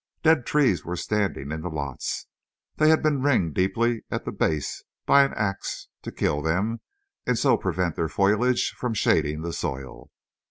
Dead trees were standing in the lots. They had been ringed deeply at the base by an ax, to kill them, and so prevent their foliage from shading the soil.